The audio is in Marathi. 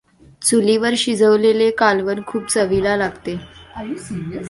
चुलीवर शिजवलेले कालवण खूप चवीला लागते.